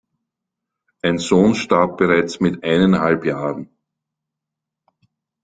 Ein Sohn starb bereits mit eineinhalb Jahren.